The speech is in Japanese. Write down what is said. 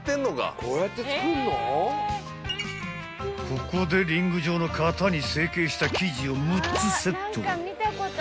［ここでリング状の型に成形した生地を６つセット］